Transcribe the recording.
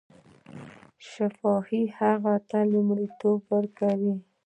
شفاهي هغو ته لومړیتوب ورکاوه.